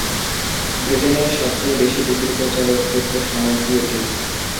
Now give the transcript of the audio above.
ব্রিটেনের সবচেয়ে বেশি বিক্রিত চলচ্চিত্র সাময়িকী এটি।